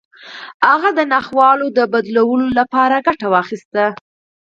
هغه د ناخوالو د بدلولو لپاره ګټه واخيسته.